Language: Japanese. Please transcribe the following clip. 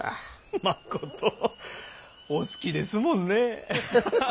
まことお好きですもんねぇ。